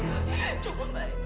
cukup balik cukup balik